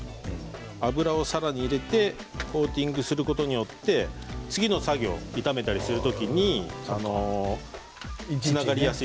油を最後に入れてコーティングすることによって次の作業、炒めたりする時につながりやすい。